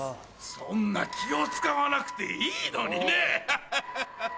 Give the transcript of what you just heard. そんな気を使わなくていいのにねハハハ！